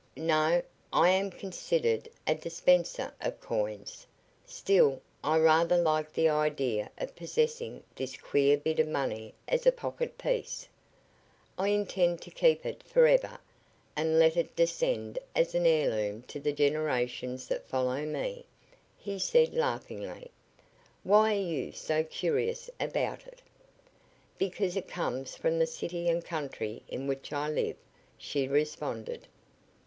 "No. I am considered a dispenser of coins. Still, I rather like the idea of possessing this queer bit of money as a pocket piece. I intend to keep it forever, and let it descend as an heirloom to the generations that follow me," he said, laughingly. "Why are you so curious about it?" "Because it comes from the city and country in which I live," she responded.